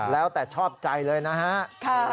แล้วแต่ชอบใจเลยนะฮะ